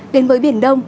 đến với biển đông